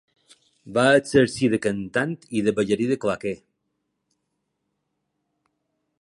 Va exercir de cantant i de ballarí de claqué.